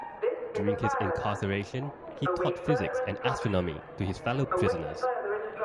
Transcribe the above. During his incarceration, he taught physics and astronomy to his fellow prisoners.